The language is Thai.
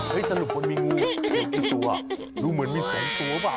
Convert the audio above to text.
เฮ้ยสรุปของมีงูเย็นทรังตัวรู้เหมือนมีสองตัวหรือเปล่า